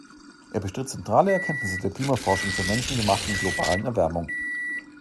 Er bestritt zentrale Erkenntnisse der Klimaforschung zur menschengemachten globalen Erwärmung.